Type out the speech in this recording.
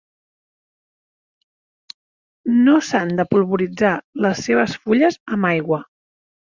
No s'han de polvoritzar les seves fulles amb aigua.